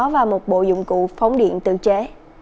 và một bộ dụng cụ phóng điện tự chế